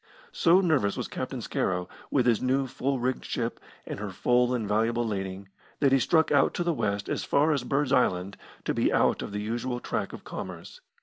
So nervous was Captain Scarrow, with his new full rigged ship, and her full and valuable lading, that he struck out to the west as far as Bird's Island to be out of the usual track of commerce.